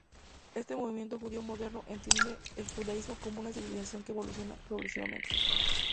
Este movimiento judío moderno entiende el judaísmo como una civilización que evoluciona progresivamente.